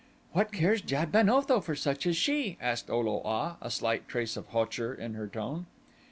"What cares Jad ben Otho for such as she?" asked O lo a, a slight trace of hauteur in her tone.